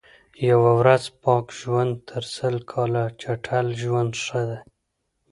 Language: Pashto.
یوه ورځ پاک ژوند تر سل کال چټل ژوند ښه دئ.